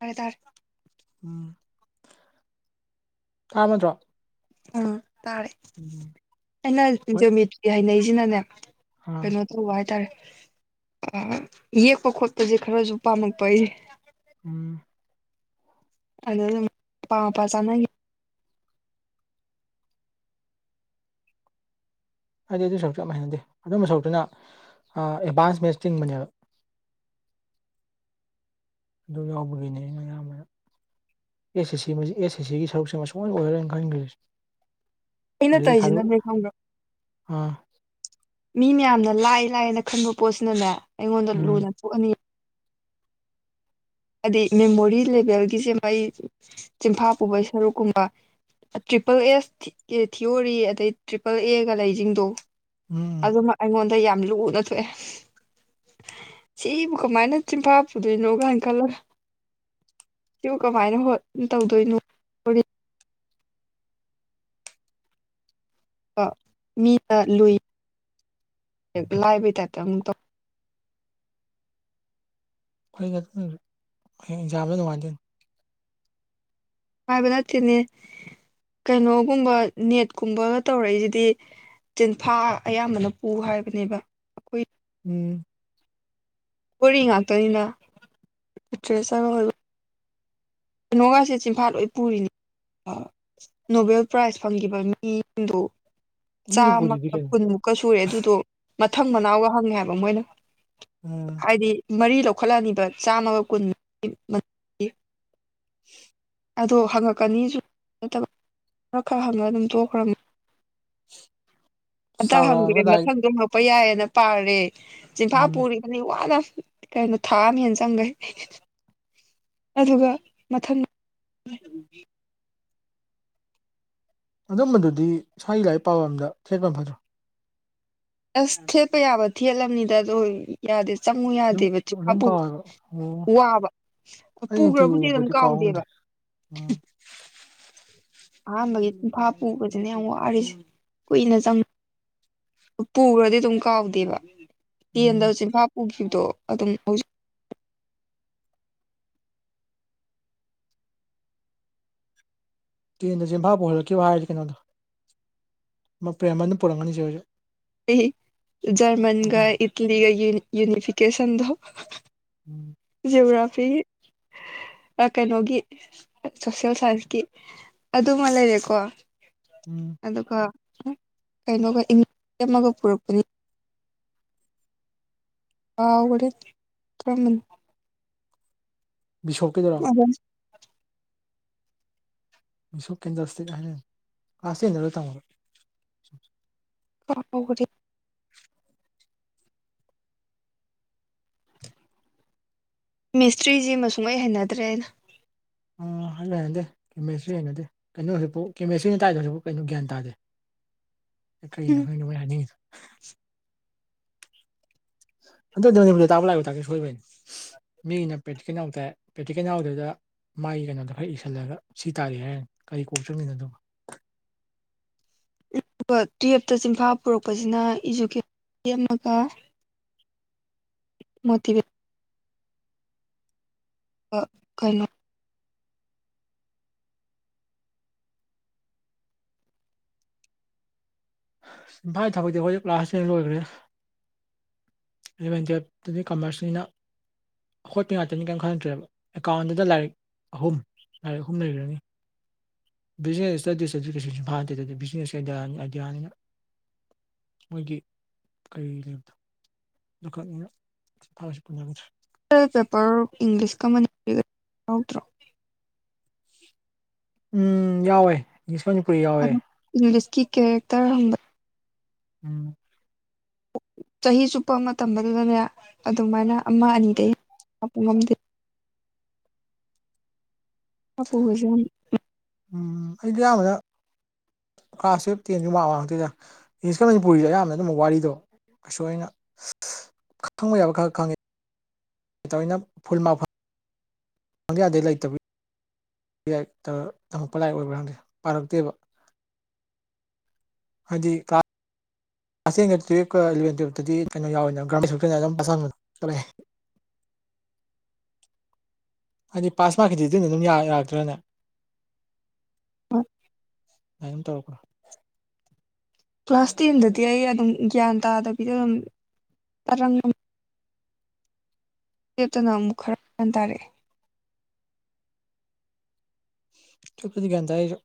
ꯃꯔꯦ ꯇꯔ ꯎꯝ ꯊꯥꯃꯠꯇ꯭ꯔꯣ ꯎ ꯇꯥꯔꯦ ꯎꯝ ꯑꯩꯅ ꯍꯣꯏ ꯖꯣꯃꯤꯇ꯭ꯔꯤ ꯍꯩꯅꯩꯁꯤꯅꯅꯦ ꯑꯥ ꯀꯩꯅꯣ ꯇꯧꯕ ꯍꯥꯏꯇꯥꯔꯦ ꯑ-ꯌꯦꯛꯄ ꯈꯣꯠꯄꯁꯦ ꯈꯔꯁꯨ ꯄꯥꯝꯃꯛꯄꯩ ꯎꯝ ꯑꯗꯨ ꯑꯗꯨꯝ ꯑꯄꯥ ꯃꯄꯥ ꯆꯥꯅꯒꯤ ꯍꯥꯏꯗꯤ ꯑꯗꯨ ꯁꯔꯨꯁꯨ ꯌꯥꯝ ꯍꯅꯗꯦ ꯑꯗꯨꯝꯕ ꯁꯔꯨꯛꯇꯨꯅ ꯑ-ꯑꯦꯗꯚꯥꯟꯁ ꯃꯦꯟꯁ ꯆꯤꯡꯕꯅꯦꯕ ꯑꯗꯨ ꯌꯥꯎꯕꯒꯤꯅꯦ ꯑꯩꯅ ꯑꯌꯥꯝꯕꯅ ꯑꯦꯁ ꯑꯦꯁ ꯁꯤ ꯑꯦꯁ ꯁꯤꯒꯤ ꯁꯔꯨꯛꯁꯤꯃ ꯁꯨꯛꯑꯣꯏ ꯑꯣꯏꯔꯣꯏꯅ ꯈꯟꯒ꯭ꯔꯤꯁꯦ ꯑꯩꯅ ꯑꯗꯨꯗꯤ ꯁꯔ ꯇꯧꯔꯤꯁꯤꯅꯅꯦ ꯈꯪꯕ꯭ꯔꯥ ꯑꯥ ꯃꯤ ꯃꯌꯥꯝꯅ ꯂꯥꯏ ꯂꯥꯏꯑꯅ ꯈꯟꯕ ꯄꯣꯠꯁꯤꯅꯅꯦ ꯑꯩꯉꯣꯟꯗ ꯎꯝ ꯂꯨꯅ ꯊꯣꯛꯑꯅꯤ ꯑꯗꯩ ꯃꯦꯃꯣꯔꯤ ꯂꯦꯚꯦꯜꯒꯤꯁꯦ ꯃꯩ ꯆꯤꯟꯐꯥ ꯄꯨꯕꯒꯤ ꯁꯔꯨꯛꯀꯨꯝꯕ ꯇ꯭ꯔꯤꯄꯜ ꯑꯦꯁ ꯊꯤꯑꯣꯔꯤ ꯑꯗꯩ ꯇ꯭ꯔꯤꯄꯜ ꯑꯦꯒ ꯂꯩꯁꯤꯡꯗꯣ ꯎꯝ ꯑꯗꯨꯃꯛ ꯑꯩꯉꯣꯟꯗ ꯌꯥꯝ ꯂꯨꯅ ꯊꯣꯛꯑꯦ ꯁꯤꯕꯨ ꯀꯃꯥꯏꯅ ꯆꯤꯟꯐꯥ ꯄꯨꯗꯣꯏꯅꯣ ꯒꯥꯏꯅ ꯀꯂꯔ ꯁꯤꯕꯨ ꯀꯃꯥꯏꯅ ꯍꯣ ꯇꯧꯗꯣꯏꯅꯣ ꯀ ꯃꯤꯅ ꯂꯨꯏ ꯂꯥꯏꯕꯩ ꯇꯥꯏꯞꯇ ꯑꯨ ꯇꯧ ꯍ ꯑꯦꯟꯖꯥꯝꯗ ꯅꯨꯡꯉꯥꯏꯖ ꯍꯥꯏꯕ ꯅꯠꯇꯦꯅꯦ ꯀꯩꯅꯣꯒꯨꯝꯕ ꯅꯦꯠꯀꯨꯝꯕꯒ ꯇꯧꯔꯛꯏꯁꯤꯗꯤ ꯆꯦꯟꯐꯥ ꯑꯌꯥꯝꯕꯅ ꯄꯨ ꯍꯥꯏꯕꯅꯦꯕ ꯑꯩꯈꯣꯏ ꯎꯝ ꯊꯣꯔꯤ ꯉꯥꯛꯇꯅꯤꯅ ꯇ꯭ꯔꯦꯁ ꯀꯩꯅꯣꯒꯥꯁꯦ ꯆꯤꯟꯐꯥꯠ ꯂꯣꯏ ꯄꯨꯔꯤꯅꯤ ꯅꯣꯕꯦꯜ ꯄ꯭ꯔꯥꯏꯖ ꯐꯪꯈꯤꯕ ꯃꯤꯗꯣ ꯑꯗꯨꯗꯤ ꯄꯨꯗꯗꯤ ꯆꯥꯝꯃꯒ ꯀꯩꯅꯣ ꯀꯨꯟꯃꯨꯛ ꯀ ꯁꯨꯔꯦ ꯑꯗꯨꯗꯣ ꯃꯊꯪ ꯃꯅꯥꯎꯒ ꯍꯪꯉꯦ ꯍꯥꯏꯕ ꯃꯣꯏꯅ ꯎꯝ ꯍꯥꯏꯗꯤ ꯃꯔꯤ ꯂꯧꯈꯠꯂꯅꯤꯕ ꯆꯥꯝꯃꯒ ꯀꯨꯟ ꯎ ꯑꯗꯣ ꯍꯪꯉꯛꯀꯅꯤꯁꯨ ꯃꯇꯝ ꯈꯔ ꯈꯔ ꯍꯪꯉ ꯑꯗꯨꯝ ꯇꯣꯛꯈ꯭ꯔꯅꯤ ꯑꯝꯇ ꯍꯪꯗ꯭ꯔꯦ ꯆꯥꯎꯔꯛꯑꯒ ꯂꯥꯏꯔꯤꯛ ꯃꯊꯪꯗꯣ ꯍꯪꯛꯄ ꯌꯥꯏꯌꯦꯅ ꯄꯥꯔꯦ ꯆꯤꯐꯥ ꯎꯝ ꯄꯨꯔꯤ ꯑꯗꯩ ꯋꯥꯅ ꯀꯩꯅꯣ ꯊꯥ ꯑꯃ ꯍꯦꯟꯅ ꯆꯪꯈꯩ ꯑꯗꯨꯒ ꯃꯊꯪ ꯑꯗꯨꯝꯕꯗꯨꯗꯤ ꯁ꯭ꯋꯥꯏꯒꯤ ꯂꯥꯏꯔꯤꯛ ꯄꯥꯕ ꯑꯝꯗ ꯊꯦꯠꯄꯝ ꯐꯗ꯭ꯔꯣ ꯑꯁ ꯊꯦꯠꯄ ꯌꯥꯕ ꯊꯦꯠꯂꯝꯕꯅꯤꯗ ꯑꯗꯨ ꯑꯣꯏ ꯌꯥꯗꯦ ꯆꯪꯉꯨ ꯑꯗꯨꯝ ꯌꯥꯗꯦꯕ ꯆꯨꯃꯥ ꯑꯗꯨꯝ ꯄꯨ ꯀꯥꯎꯋꯦꯕ ꯑꯣ ꯋꯥꯕ ꯑꯩ ꯅꯨꯡꯇꯤꯒꯤ ꯄꯨꯈ꯭ꯔꯕꯨꯗꯤ ꯑꯗꯨꯝ ꯎꯕꯗꯤ ꯀꯥꯎ ꯉꯝꯗꯦ ꯀꯥꯎꯗꯦꯕ ꯎꯝ ꯑꯍꯥꯟꯕꯒꯤ ꯇꯨꯡꯐꯥ ꯄꯨꯕꯁꯤꯅ ꯌꯥꯝ ꯋꯥꯁꯦ ꯀꯨꯏꯅ ꯆꯪ ꯄꯨꯈ꯭ꯔꯗꯤ ꯑꯗꯨꯝ ꯀꯥꯎꯗꯦꯕ ꯎꯝ ꯇꯦꯟꯗ ꯆꯤꯟꯐꯥ ꯄꯨꯈꯤꯕꯗꯣ ꯑꯗꯨꯝ ꯍꯧꯖꯤꯛ ꯇꯦꯟꯗ ꯆꯝꯐꯥ ꯄꯨꯍꯜꯂꯛꯀꯦꯕ ꯍꯥꯏꯔꯗꯤ ꯀꯩꯅꯣꯗꯣ ꯄ꯭ꯔꯦꯝꯕꯅ ꯄꯨꯔꯛꯒꯅꯤꯁꯦ ꯍꯧꯖꯤꯛ ꯑꯩ ꯑꯗꯨ ꯖꯔꯃꯟꯒ ꯏꯠꯂꯤꯒ ꯌꯨ ꯌꯨꯅꯤꯐꯤꯀꯦꯁꯟꯗꯣ ꯎꯝ ꯖꯤꯑꯣꯒ꯭ꯔꯥꯐꯤ ꯀꯩꯅꯣꯒꯤ ꯁꯣꯁꯦꯜ ꯁꯥꯏꯟꯁꯀꯤ ꯑꯗꯨꯃ ꯂꯩꯔꯦꯀꯣ ꯎꯝ ꯑꯗꯨꯒ ꯀꯩꯅꯣꯒ ꯏꯃ ꯑꯃꯒ ꯄꯨꯔꯛꯄꯅꯤ ꯀꯥꯒꯔꯦꯗ ꯕꯤꯁꯣꯞ ꯀꯤꯗꯨꯔꯥ ꯑꯗꯨꯅꯦ ꯃꯤꯁꯣ ꯀꯦꯟꯗꯜꯁꯇꯦ ꯍꯥꯏ ꯀ꯭ꯂꯥꯁ ꯇꯦꯟꯗꯗ ꯇꯝꯃꯣꯒ ꯐꯥꯎꯕꯗꯤ ꯃꯤꯁꯇ꯭ꯔꯤꯁꯤ ꯃꯨꯡꯉꯩ ꯍꯩꯅꯗ꯭ꯔꯦ ꯍꯥꯏꯅ ꯑ ꯍ ꯂꯩꯅꯗꯦ ꯃꯦꯁꯇ꯭ꯔꯤ ꯍꯩꯅꯗꯦ ꯀꯩꯅꯣ ꯍꯧꯛꯐꯥꯎ ꯀꯦꯃꯦꯁꯇ꯭ꯔꯤꯅ ꯇꯥꯏꯗ ꯍꯧꯖꯤꯛ ꯀꯩꯅꯣ ꯒ꯭ꯌꯥꯟ ꯇꯥꯗꯦ ꯀꯔꯤꯅꯣ ꯃꯣꯏ ꯍꯥꯏꯅꯤꯡꯉꯤꯗꯣ ꯑꯗꯨ ꯑꯗꯨ ꯇꯥ ꯂꯥꯛ ꯂꯦꯛ ꯇꯥꯛ ꯂꯥꯛ ꯁꯣꯏꯕꯩꯅꯤ ꯃꯤꯅ ꯄ꯭ꯔꯦꯛꯇꯤꯀꯦꯜ ꯌꯥꯅꯥꯎ ꯇꯥꯏ ꯄ꯭ꯔꯦꯛꯇꯤꯀꯦꯜ ꯌꯥꯎꯗꯕꯤꯗ ꯃꯥꯒꯤ ꯀꯩꯅꯣꯗꯣ ꯈꯔ ꯏꯁꯤꯜꯂꯒ ꯁꯤ ꯇꯥꯔꯦ ꯍꯥꯏꯔꯅ ꯀꯔꯤ ꯀꯣꯛ ꯆꯪꯉꯤꯅꯣ ꯑꯗꯨꯕꯣ ꯑꯗꯨꯒ ꯇꯨꯌꯦꯞꯇ ꯆꯤꯡꯐꯥ ꯄꯨꯔꯛꯄꯁꯤꯅ ꯏꯖꯨꯀꯦ ꯑꯃꯒ ꯃꯣꯇꯤꯕꯦ ꯑ ꯀꯩꯅꯣ ꯐꯥꯏ ꯊꯥꯕꯩꯗꯤ ꯑꯩꯈꯣꯏꯁꯨ ꯀ꯭ꯂꯥꯁ ꯇꯦꯟꯗ ꯂꯣꯏꯈ꯭ꯔꯦ ꯑꯦꯂꯚꯦꯟ ꯇꯨꯌꯦꯜꯞꯇꯗꯤ ꯀꯃꯔꯁꯅꯤꯅ ꯑꯩꯈꯣꯠꯄ ꯉꯥꯛꯇꯅꯤ ꯀꯔꯤꯝ ꯀꯥꯟꯅꯇ꯭ꯔꯦꯕ ꯑꯦꯀꯥꯎꯟꯗꯨꯗ ꯂꯥꯏꯔꯤꯛ ꯑꯍꯨꯝ ꯂꯥꯏꯔꯤꯛ ꯑꯍꯨꯝ ꯂꯩꯈ꯭ꯔꯅꯤ ꯕꯤꯖꯤꯅꯦꯁ ꯏꯁꯇꯗꯤꯁꯇꯁꯨ ꯀꯩꯁꯨꯟ ꯐꯍꯗꯦ ꯑꯗꯨꯗꯤ ꯕꯤꯖꯤꯅꯦꯁꯀꯤꯗꯤ ꯑꯥꯏꯗꯤꯌꯥꯅꯤꯅ ꯃꯣꯏꯒꯤ ꯀꯔꯤ ꯂꯩꯕꯇ ꯂꯗꯨꯀꯅꯤꯅ ꯊꯥꯁꯤ ꯄꯨ꯭ꯔ ꯄꯦꯄꯔ ꯏꯪꯂꯤꯁꯀ ꯃꯒ ꯌꯥꯎꯗ꯭ꯔꯣ ꯎꯝ ꯌꯥꯎꯋꯦ ꯅꯤꯁꯃꯟꯄꯨꯔꯤ ꯌꯥꯎꯋꯦ ꯑꯗꯨ ꯏꯪꯂꯤꯁꯀꯤ ꯀꯦꯔꯦꯛꯇꯔ ꯍꯕ ꯎꯝ ꯆꯍꯤ ꯆꯨꯞꯄ ꯃꯇꯝꯝꯕꯗꯨꯗꯅꯦ ꯑꯗꯨꯃꯥꯏꯅ ꯑꯃ ꯑꯅꯤꯗꯩ ꯂꯄ ꯉꯝꯗꯦ ꯑꯄꯖꯝ ꯎꯝ ꯑꯩꯗꯤ ꯑꯌꯥꯝꯕꯗ ꯀ꯭ꯂꯥꯁ ꯇꯕ ꯇꯦꯟꯁꯨ ꯃꯥ ꯃ ꯉꯥꯛꯇꯣꯏꯗ ꯏꯪꯂꯤꯁꯀ ꯃꯅꯤꯄꯨꯁꯦ ꯑꯌꯥꯝꯕꯅ ꯑꯗꯨꯝ ꯋꯥꯔꯤꯗꯣ ꯀꯩꯁꯨ ꯑꯩꯅ ꯈꯪꯕ ꯌꯥꯕ ꯈꯔ ꯈꯪꯉꯦ ꯀꯩꯇꯧꯅ ꯐꯨꯜ ꯃꯥ ꯈꯪꯗ ꯌꯥꯗꯦ ꯂꯩꯇꯕ ꯇꯝꯃꯛꯄ ꯂꯥꯏꯔꯤꯛ ꯑꯣꯏꯕ꯭ꯔꯥ ꯍꯪꯗꯦ ꯄꯥꯔꯛꯇꯦꯕ ꯍꯧꯖꯤ ꯀꯥ ꯑꯁꯦꯡꯅ ꯇꯨꯌꯦꯞꯀꯂꯦꯟ ꯇꯨꯌꯦꯜꯞꯇꯗꯤ ꯀꯩꯅꯣ ꯌꯥꯎꯋꯅꯦ ꯒ꯭ꯔꯥꯅ ꯑꯗꯨꯝ ꯄꯁꯥꯅ ꯆꯠꯂꯑꯦ ꯍꯥꯏꯗꯤ ꯄꯥꯁ ꯃꯥꯔꯛꯀꯤꯗꯤ ꯑꯗꯨꯅ ꯑꯗꯨꯝ ꯌꯥꯛꯇ꯭ꯔꯅꯦ ꯑꯝ ꯇꯧꯔꯈ꯭ꯔꯣ ꯀ꯭ꯂꯥꯁ ꯇꯦꯟꯗꯗꯤ ꯑꯩ ꯑꯗꯨꯝ ꯒ꯭ꯌꯥꯟ ꯇꯥꯗꯕꯤꯗ ꯑꯗꯨꯝ ꯂꯦꯞꯇꯅ ꯑꯃꯨꯛ ꯈꯔ ꯍꯟ ꯇꯥꯔꯛꯑꯦ ꯇꯨꯌꯦꯜꯞꯄꯇꯗꯤ ꯒ꯭ꯌꯥꯟ ꯇꯥꯏ ꯍꯥꯏꯔꯤꯁꯦ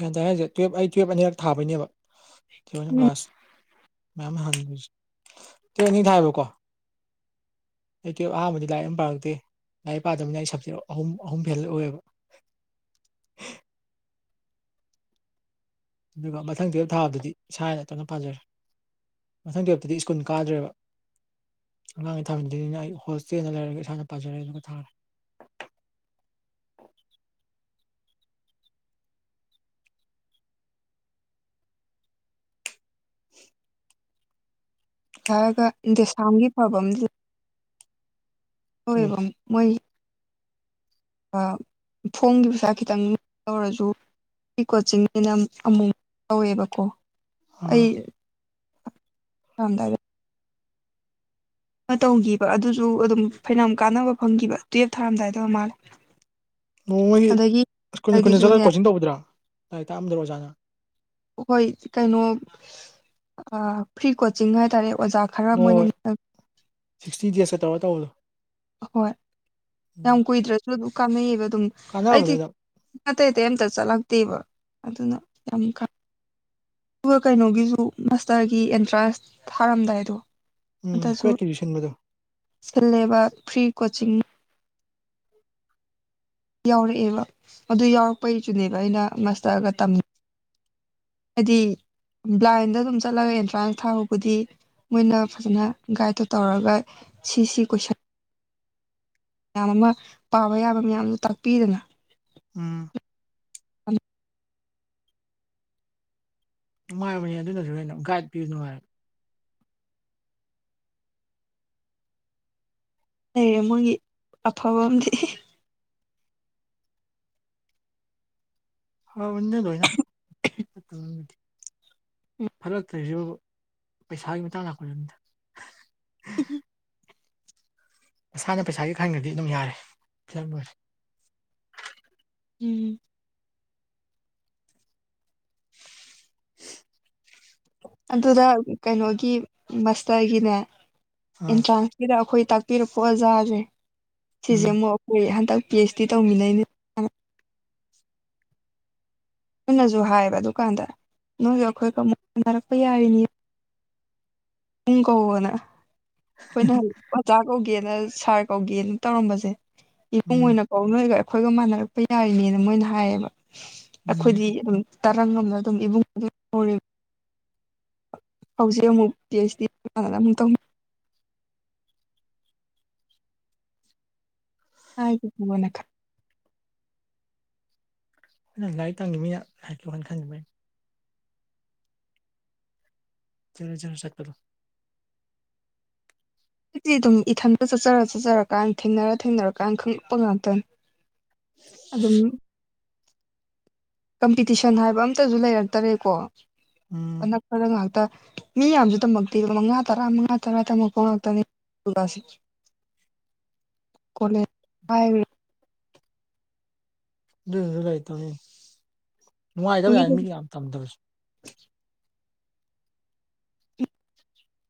ꯒ꯭ꯌꯥꯟ ꯇꯥꯏ ꯍꯥꯏꯔꯤꯁꯦ ꯇꯨꯌꯦꯜꯞ ꯑꯩ ꯇꯨꯌꯦꯜꯞ ꯑꯅꯤꯔꯛ ꯊꯥꯕꯩꯅꯦꯕ ꯎꯝ ꯀ꯭ꯂꯥꯁ ꯇ ꯑꯅꯤ ꯊ ꯍꯥꯏꯕꯀꯣ ꯑꯩ ꯇꯨꯌꯦꯜꯞ ꯑꯍꯥꯟꯕꯗꯤ ꯂꯥꯏꯔꯤꯛ ꯑꯃ ꯌꯥꯝ ꯄꯥꯔꯛꯇꯦ ꯂꯥꯏꯔꯤꯛ ꯄꯥꯗꯕꯅ ꯑꯩ ꯁꯞꯖꯦꯛ ꯑꯍꯨꯝ ꯑꯍꯨꯝ ꯐꯦꯜ ꯑꯣꯏꯌꯦꯕ ꯑꯗꯨꯒ ꯃꯊꯪ ꯊꯕ ꯊꯥꯗꯨꯗꯤ ꯁꯥꯥꯏꯅ ꯇꯞꯅ ꯄꯥꯖꯔꯦ ꯃꯊꯪꯗꯤ ꯍꯞꯗꯤ ꯁ꯭ꯀꯨꯜ ꯀꯥꯗ꯭ꯔꯦꯕ ꯑꯉꯥꯡꯒꯤ ꯊꯥꯃꯤꯗꯅꯤꯅ ꯑꯩ ꯍꯣꯁꯇꯦꯜꯗ ꯂꯩꯔꯒ ꯏꯁꯥꯅ ꯄꯥꯖꯔꯦ ꯑꯗꯨꯒ ꯊꯥꯔꯦ [inaudible] ꯍꯥꯏꯔꯒ ꯗꯦꯁꯥꯝꯒꯤ ꯐꯕꯝꯗꯨꯗ ꯑꯣ ꯀꯔꯤ ꯍ ꯃꯣꯏ ꯊꯣꯡꯒꯤ ꯄꯩꯁꯥ ꯈꯤꯇꯪ ꯂꯧꯧꯔꯁꯨ ꯑꯩ ꯀꯣꯆꯤꯡꯁꯤꯅ ꯑꯃꯨꯛ ꯇꯧꯋꯦꯕꯀꯣ ꯑꯩ ꯑꯥ ꯍꯗꯦ ꯇꯧꯈꯤꯕ ꯑꯗꯨꯁꯨ ꯑꯗꯨꯝ ꯐꯅꯌꯥꯝ ꯀꯥꯟꯅꯕ ꯐꯪꯈꯤꯕ ꯇꯨꯋꯜꯞ ꯊꯥꯔꯝꯗꯥꯏꯗꯧ ꯃꯥꯜꯂꯦ ꯅꯣꯡꯃꯒꯤ ꯑꯗꯒꯤ ꯁ꯭ꯀꯨꯜ ꯈꯨꯨꯟꯗ ꯑꯩꯒꯤꯁꯨꯅꯦ ꯆꯠꯂꯒ ꯀꯣꯆꯤꯡ ꯇꯧꯗ꯭ꯔꯥ ꯂꯥꯏꯔꯤꯛ ꯇꯥꯛꯑꯝꯗ꯭ꯔꯣ ꯑꯣꯖꯥꯅ ꯍꯣꯏ ꯀꯩꯅꯣ ꯐ꯭ꯔꯤ ꯀꯣꯆꯤꯡ ꯍꯥꯏꯇꯥꯔꯦ ꯑꯣꯖꯥ ꯈꯔ ꯍꯣꯏ ꯃꯣꯏꯅ ꯍꯣꯏ ꯁꯤꯛꯁꯇꯤ ꯗꯦꯖꯇ ꯇꯧꯔ ꯇꯧꯕꯗꯣ ꯑꯍꯣꯏ ꯎꯝ ꯌꯥꯝ ꯀꯨꯏꯗ꯭ꯔꯁꯨ ꯑꯗꯨꯝ ꯀꯥꯟꯅꯩꯌꯦꯕ ꯑꯗꯨꯝ ꯀꯥꯟꯅꯕꯅꯦ ꯑꯩꯗꯤ ꯑꯗꯨꯝ ꯑꯇꯩ ꯑꯇꯩ ꯑꯃꯝꯇ ꯆꯠꯂꯛꯇꯦꯕ ꯑꯗꯨꯅ ꯌꯥꯝ ꯈ ꯑꯗꯨꯒ ꯀꯩꯅꯣꯒꯤꯁꯨ ꯃꯥꯁꯇꯔꯒꯤ ꯑꯦꯟꯇ꯭ꯔꯥꯟꯁ ꯊꯥꯔꯝꯗꯥꯏꯗꯣ ꯎꯝ ꯀꯣꯏ ꯑꯗꯁꯨ ꯀ ꯁꯤꯟꯕꯗꯣ ꯁꯤꯜꯂꯦꯕ ꯐ꯭ꯔꯤ ꯀꯣꯆꯤꯡ ꯌꯥꯎꯔꯛꯑꯦꯕ ꯑꯗꯨ ꯌꯥꯎꯔꯛꯄꯩꯁꯨꯅꯦꯕ ꯑꯩꯅ ꯉꯁꯇꯔꯒ ꯇꯝ ꯍꯥꯏꯗꯤ ꯕ꯭ꯂꯥꯏꯟꯗ ꯑꯗꯨꯝ ꯆꯠꯂꯒ ꯑꯦꯟꯇ꯭ꯔꯥꯟꯁ ꯊꯥꯍꯕꯨꯗꯤ ꯃꯣꯏꯅ ꯐꯖꯅ ꯒꯥꯏꯗꯇꯣ ꯇꯧꯔꯒ ꯁꯤ ꯁꯤ ꯀꯣꯏꯁꯟ ꯃꯌꯥꯝ ꯑꯃ ꯄꯥꯕ ꯌꯥꯕ ꯃꯌꯥꯝꯗꯨ ꯇꯥꯛꯄꯤꯗꯅ ꯎꯝ ꯅꯨꯡꯉꯥꯏꯕꯅꯤ ꯑꯗꯨꯅꯁꯨ ꯍꯦꯟꯅ ꯒꯥꯏꯗ ꯄꯤꯨ ꯉꯥꯏꯔ ꯂꯩꯔꯦ ꯃꯣꯏꯒꯤ ꯑꯐꯕ ꯑꯃꯗꯤꯝꯗꯤ ꯍꯕꯅꯤꯅꯦ ꯂꯣꯏꯅꯗꯤ ꯐꯔꯛꯇ꯭ꯔꯔꯤꯁꯤꯕꯨ ꯄꯩꯁꯥꯒꯤ ꯃꯇꯥꯡ ꯂꯥꯛꯄꯗꯅꯤꯗ ꯎꯝ ꯃꯁꯥꯅ ꯄꯩꯁꯥꯒꯤ ꯈꯪꯅꯗꯤ ꯑꯗꯨꯝ ꯌꯥꯔꯦ ꯐꯂꯝ ꯑꯣꯏꯔꯦ ꯎꯝ ꯑꯗꯨꯗ ꯀꯩꯅꯣꯒꯤ ꯃꯁꯇꯔꯒꯤꯅꯦ ꯑꯥ ꯑꯦꯟꯇ꯭ꯔꯥꯟꯁ ꯁꯤꯗ ꯑꯩꯈꯣꯏ ꯇꯥꯛꯄꯤꯔꯛꯄ ꯑꯣꯖꯥꯁꯦ ꯁꯤꯁꯦ ꯎꯝ ꯑꯃꯨꯛ ꯑꯩꯈꯣꯏ ꯍꯟꯗꯛ ꯄꯤ ꯑꯩꯆ ꯗꯤ ꯇꯧꯃꯤꯟꯅꯩꯅꯤ ꯅꯣꯏꯅꯁꯨ ꯍꯥꯏꯌꯦꯕ ꯑꯗꯨꯀꯥꯟꯗ ꯅꯣꯏꯁꯨ ꯑꯩꯈꯣꯏꯒ ꯑꯃꯨꯛ ꯁꯅꯔꯛꯄ ꯌꯥꯔꯤꯅꯤ ꯅꯣꯡꯒꯣꯅ ꯑꯩꯈꯣꯏꯅꯍ ꯑꯣꯆꯥ ꯀꯧꯒꯦꯅ ꯁꯥꯔ ꯀꯧꯒꯦꯅ ꯇꯧꯔꯝꯕꯁꯦ ꯏꯄꯨꯡ ꯎꯝ ꯑꯣꯏꯅ ꯑꯣ ꯅꯣꯏꯒ ꯑꯩꯈꯣꯏꯒ ꯃꯥꯟꯅꯔꯛꯄ ꯌꯥꯔꯤꯅꯦꯅ ꯃꯣꯏꯅ ꯍꯥꯏꯌꯦꯕ ꯎꯝ ꯑꯩꯈꯣꯏꯗꯤ ꯑꯗꯨꯝ ꯇꯔꯪ ꯑꯃꯅ ꯑꯗꯨꯝ ꯏꯕꯨꯡ ꯗꯤ ꯎꯔꯤ ꯍꯧꯖꯤꯛ ꯑꯃꯨꯛ ꯄꯤ ꯑꯩꯆ ꯗꯤꯥꯟꯅ ꯑꯃꯨꯛ ꯇꯧ ꯍꯥꯏꯥꯏꯣꯟꯅꯀ ꯅꯪ ꯂꯥꯏꯔꯤꯛ ꯇꯪꯈꯤꯕꯅꯤꯅ ꯂꯥꯏꯥꯛꯛꯌꯣꯅ ꯈꯟꯅꯤꯡꯈꯤꯕꯅꯤ ꯆꯔꯖꯔ ꯁꯠꯄꯗ ꯍꯧꯖꯤꯛꯇꯗꯤ ꯑꯗꯨꯝ ꯏꯊꯟꯇ ꯆꯠꯆꯔ ꯆꯠꯆꯔꯀꯥꯟꯗ ꯊꯦꯡꯅꯔ ꯊꯦꯡꯅꯔꯀꯥꯟꯗ ꯈꯪꯂꯛꯄ ꯉꯥꯛꯇꯅꯤ ꯑꯗꯨꯝ ꯀꯝꯄꯤꯇꯤꯁꯟ ꯍꯥꯏꯕ ꯑꯝꯇꯁꯨ ꯂꯩꯔꯛꯇꯔꯦꯀꯣ ꯎꯝ ꯑꯗ ꯉꯥꯛꯇ ꯃꯤ ꯌꯥꯝꯁꯨ ꯇꯝꯃꯛꯇꯦꯕ ꯃꯉꯥ ꯇꯔꯥ ꯃꯉꯥ ꯇꯔꯥ ꯇꯝꯃꯛꯄ ꯉꯥꯛꯇꯅꯦ [unintelligible] ꯀꯣꯂꯦ ꯍꯥꯏ ꯑꯗꯨ ꯀ ꯇꯧꯔꯤ ꯅꯨꯡꯉꯥꯏꯗꯕ ꯌꯥꯏꯅꯤ ꯃꯤꯒꯤ ꯅꯨꯡꯕꯨꯗꯤ ꯌꯥꯝ ꯇꯝꯗꯕꯁꯨ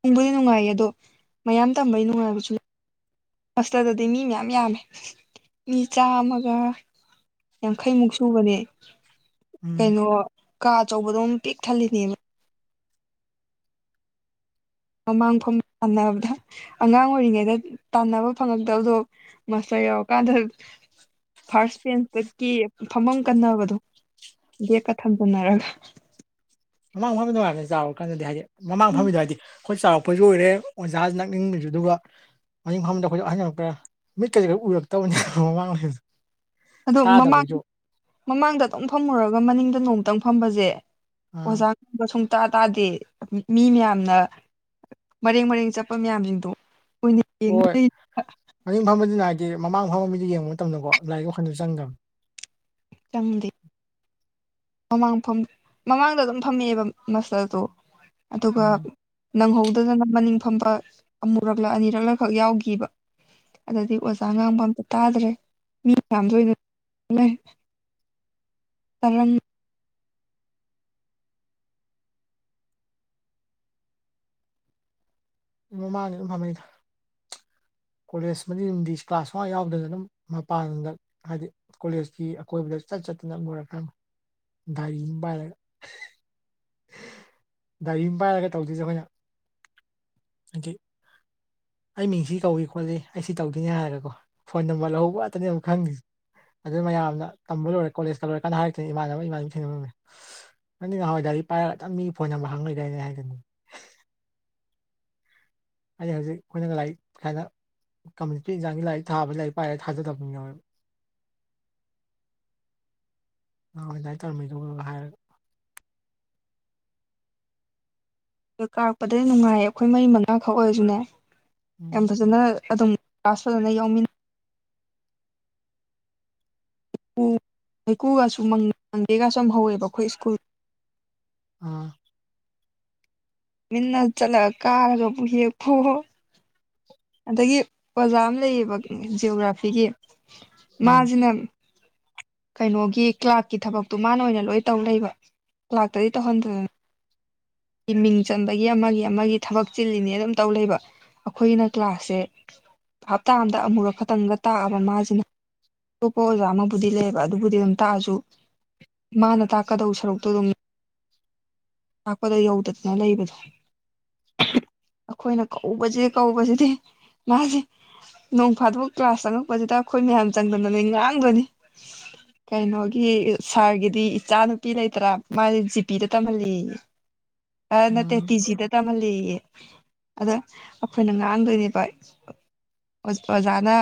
ꯇꯪꯕꯨꯗꯤ ꯅꯨꯡꯉꯥꯏꯌꯦ ꯑꯗꯣ ꯃꯌꯥꯝ ꯇꯝꯕꯩ ꯅꯨꯡꯉꯥꯏꯕꯁꯨ ꯍꯁꯇꯗꯗꯤ ꯃꯤ ꯃꯌꯥꯝ ꯌꯥꯝꯃꯦ ꯃꯤ ꯆꯥꯝꯃꯒ ꯌꯥꯡꯈꯩꯃꯨꯛ ꯁꯨꯕꯅꯦ ꯎꯝ ꯀꯩꯅꯣ ꯀꯥ ꯑꯆꯧꯕꯗꯣꯝ ꯄꯤꯛ ꯊꯜꯂꯤꯅꯦꯅ ꯃꯃꯥꯡ ꯃꯐꯝ ꯇꯥꯟꯅꯕꯗ ꯑꯉꯥꯡ ꯑꯣꯏꯔꯤꯉꯩꯗ ꯇꯥꯟꯅꯕ ꯐꯪꯉꯛꯇꯕꯗꯣ ꯃꯁ ꯌꯧꯔꯀꯥꯟꯗ ꯐꯥꯔꯁ ꯕꯦꯟꯁꯇꯀꯤ ꯐꯃꯝ ꯀꯟꯅꯕꯗꯣ ꯗꯦ ꯀ ꯊꯝꯖꯅꯔꯒ ꯃꯃꯥꯡ ꯐꯝꯃꯤ ꯅꯨꯡꯉꯥꯏꯅ ꯆꯥꯎꯔꯀꯥꯟꯗꯗꯤ ꯍꯥꯏꯗꯤ ꯃꯃꯥꯡ ꯎꯝ ꯐꯝꯕꯤꯗꯣ ꯍꯥꯏꯗꯤ ꯑꯩꯈꯣꯏ ꯆꯥꯎꯔꯛꯄꯁꯨ ꯑꯣꯏꯔꯦ ꯑꯣꯖꯥ ꯅꯛꯅꯤꯡꯕꯁꯨ ꯑꯗꯨꯒ ꯃꯅꯤꯡꯤꯡ ꯐꯝꯐꯝꯗ ꯑꯩꯈꯣꯏꯁꯨ ꯑꯍꯟꯔꯛꯛꯇ꯭ꯔꯦ ꯃꯤꯠ ꯀꯔꯤ ꯈꯔ ꯎꯔꯛꯇꯕꯅꯤꯅ ꯃꯃꯥꯡ ꯑꯗꯣ ꯃꯃꯥꯡ ꯇꯥꯗꯕꯩꯁꯨ ꯃꯃꯥꯡꯗ ꯑꯗꯨꯝ ꯐꯝꯃꯨꯔꯒ ꯃꯅꯤꯡꯗ ꯅꯣꯡꯇꯪ ꯐꯝꯕꯁꯦ ꯑꯥ ꯑꯣꯖꯥ ꯉꯕ ꯁꯨꯡꯇꯥꯥ ꯇꯥꯗꯦ ꯃꯤ ꯃꯌꯥꯝꯅ ꯃꯔꯦꯡ ꯃꯔꯦꯡ ꯆꯠꯄ ꯃꯌꯥꯝꯁꯤꯡꯗꯣ ꯎꯏꯅꯤ ꯍꯣꯏ ꯌꯦꯉꯨꯏ ꯃꯅꯤꯡ ꯐꯝꯕꯗꯨꯅ ꯍꯥꯏꯗꯤ ꯃꯃꯥꯡ ꯐꯝꯝꯕ ꯃꯤ ꯌꯦꯡꯕ ꯃꯇꯝꯗꯀꯣ ꯂꯥꯏꯔꯤꯛ ꯋꯥꯈꯜꯗ ꯆꯪꯗꯕꯅꯤ ꯆꯪꯗ ꯃꯃꯥꯡ ꯃꯃꯥꯡꯗ ꯑꯗꯨꯝ ꯐꯝꯃꯛꯑꯦꯕ ꯃꯁꯜꯗꯣ ꯑꯗꯨꯒ ꯎꯝ ꯅꯪꯍꯧꯗꯗꯅ ꯃꯅꯤꯡ ꯐꯝꯕ ꯑꯃꯨꯔꯛꯂ ꯑꯅꯤꯔꯛꯂ ꯈꯛ ꯌꯥꯎꯈꯤꯕ ꯑꯗꯨꯗꯗꯤ ꯑꯣꯖꯥ ꯉꯥꯡꯕ ꯑꯝꯇ ꯇꯥꯗ꯭ꯔꯦ ꯃꯤ ꯃꯌꯥꯝ ꯂꯅꯅꯩ ꯄꯂꯝ ꯃꯃꯥꯡꯒꯤ ꯏ ꯐꯥꯃꯩꯗ ꯀꯣꯂꯦꯖ ꯑꯃꯗꯤ ꯏꯪꯗꯤꯁ ꯀ꯭ꯂꯥꯁ ꯃꯉ ꯌꯥꯎꯗꯅ ꯑꯗꯨꯝ ꯃꯄꯥꯟꯗ ꯍꯥꯏꯗꯤ ꯀꯣꯂꯦꯖꯀꯤ ꯑꯀꯣꯏꯕꯗ ꯆꯠ ꯆꯠꯇꯅ ꯂꯔꯛꯀ ꯗꯥꯔꯤꯎꯝꯕꯔꯒ ꯗꯥꯏꯔꯤ ꯑꯃ ꯄꯥꯏꯔꯒ ꯇꯧꯗꯣꯏꯁꯦ ꯑꯩꯈꯣꯏꯅ ꯍꯥꯏꯗꯤ ꯑꯩ ꯃꯤꯡꯁꯤ ꯀꯧꯏ ꯈꯣꯠꯂꯤ ꯑꯩ ꯁꯤ ꯇꯧꯗꯣꯏꯅꯦ ꯍꯥꯏꯔꯀꯣ ꯐꯣꯟ ꯅꯝꯕꯔ ꯂꯍꯧꯕꯇꯅꯦ ꯑꯃꯨꯛ ꯈꯪꯉꯁꯤꯦ ꯑꯗꯨ ꯃꯌꯥꯝꯅ ꯇꯝꯕ ꯂꯣꯏꯔꯦ ꯀꯣꯂꯦꯖꯀ ꯂꯣꯏꯔ ꯀꯥꯟꯅ ꯍꯥꯏꯔꯛꯇꯅ ꯏꯃꯥꯟꯅꯕ ꯏꯃꯥꯟꯅꯕꯅ ꯊꯦꯡꯅꯕ ꯉꯝꯃꯦ ꯅ ꯅꯍꯋꯥꯏ ꯏꯗꯤ ꯄꯥꯏꯔꯒ ꯆ ꯃꯤ ꯐꯣꯟ ꯅꯝꯕꯔ ꯍꯥꯡꯅꯣꯏꯗꯅꯦ ꯍꯥꯏꯒꯅ ꯑꯩꯅ ꯍꯧꯖꯤꯛ ꯑꯩꯈꯣꯏꯅ ꯂꯥꯏꯔꯤꯛ ꯀꯥꯏꯅ ꯀꯝꯃꯌꯨꯅꯤꯇꯤ ꯑꯦꯛꯖꯥꯒꯤ ꯂꯥꯏꯔꯤꯛ ꯊꯥꯕꯗ ꯂꯥꯏꯔꯤꯛ ꯄꯥꯏꯔꯒ ꯊꯥꯖꯗꯕ ꯃꯤ ꯌꯥꯎꯋꯦꯕ ꯑꯗꯥꯥꯏ ꯇꯧꯔꯃꯤꯗꯨ ꯍꯥꯏꯔꯒ ꯑ ꯀꯥꯔꯛꯄꯗꯩ ꯅꯨꯡꯉꯥꯏꯌꯦ ꯑꯩꯈꯣꯏ ꯃꯔꯤ ꯃꯉꯥꯈꯛ ꯑꯣꯏꯔꯁꯨꯅꯦ ꯌꯥꯝ ꯎꯝ ꯐꯖꯅ ꯑꯗꯨꯝ ꯇꯁꯅꯌꯥꯎꯃꯤꯟ ꯎꯝ ꯍꯩꯀꯨꯒꯁꯨ ꯃꯪꯒꯦꯒꯁꯨ ꯍꯧꯋꯦꯕ ꯑꯩꯈꯣꯏ ꯁ꯭ꯀꯨꯜ ꯑ ꯃꯤꯟꯅ ꯆꯠꯂꯒ ꯀꯥꯔꯒꯕꯨ ꯍꯦꯛꯄꯑꯣ ꯑꯗꯒꯤ ꯑꯣꯖꯥ ꯑꯃ ꯂꯩꯌꯦꯕ ꯖꯤꯑꯣꯒ꯭ꯔꯥꯐꯤꯒꯤ ꯎꯝ ꯃꯥꯁꯤꯅ ꯀꯩꯅꯣꯒꯤ ꯀ꯭ꯂꯥꯛꯀꯤ ꯊꯕꯛꯇꯣ ꯃꯥꯅ ꯑꯣꯏꯅ ꯂꯣꯏ ꯇꯧ ꯂꯩꯕ ꯂꯥꯛꯇꯗꯤ ꯇꯧꯍꯟꯗꯔꯦꯅ ꯃꯤꯡ ꯆꯟꯕꯒꯤ ꯑꯃꯒꯤ ꯑꯃꯒꯤ ꯊꯕꯛ ꯆꯤꯜꯂꯤꯅꯤ ꯑꯗꯨꯝ ꯇꯧ ꯂꯩꯕ ꯑꯩꯈꯣꯏꯅ ꯀ꯭ꯂꯥꯁꯁꯦ ꯍꯞꯇꯥ ꯑꯃꯗ ꯑꯃꯨꯔꯛ ꯈꯛꯇꯪꯒ ꯇꯥꯛꯑꯕ ꯃꯥꯁꯤꯅ ꯇꯞꯄꯣ ꯑꯣꯖꯥ ꯑꯃꯕꯨꯗꯤ ꯂꯩꯌꯦꯕ ꯑꯗꯨꯕꯨꯗꯤ ꯑꯗꯨꯝ ꯇꯥꯛꯑꯁꯨ ꯃꯥꯅ ꯇꯥꯛꯀꯗꯧ ꯁꯔꯨꯛꯇꯣ ꯑꯗꯨꯝ ꯇꯥꯛꯄꯗꯣ ꯌꯧꯗꯗꯅ ꯂꯩꯕꯗꯣ ꯑꯩꯈꯣꯏꯅ ꯀꯧꯕꯁꯤ ꯀꯧꯕꯁꯤꯗꯤ ꯃꯥꯁꯦ ꯅꯣꯡ ꯐꯥꯗꯣꯛ ꯀ꯭ꯂꯥꯁ ꯆꯪꯉꯛꯄꯁꯤꯗ ꯑꯩꯈꯣꯏ ꯃꯌꯥꯝ ꯆꯪꯗꯅꯅꯦ ꯉꯥꯡꯗꯣꯢꯅꯤ ꯀꯩꯅꯣꯒꯤ ꯁꯥꯔꯒꯤꯗꯤ ꯏꯆꯥ ꯅꯨꯨꯄꯤ ꯂꯩꯇ꯭ꯔꯥ ꯃꯥꯗꯤ ꯖꯤꯄꯤꯗ ꯇꯝꯍꯜꯂꯤꯌꯦ [unintelligible] ꯑ ꯅꯠꯇꯦ ꯎꯝ ꯇꯤꯖꯤꯗ ꯇꯝꯍꯜꯂꯤꯌꯦ ꯑꯗ ꯑꯩꯈꯣꯏꯅ ꯃ ꯉꯥꯡꯗꯣꯏꯅꯤꯕ ꯑꯣ-ꯑꯣꯖꯥꯅ